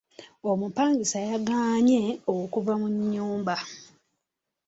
Omupangisa yagaanye okuva mu nnyumba.